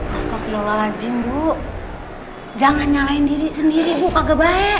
astagfirullahaladzim bu jangan nyalahin diri sendiri bu kagak baik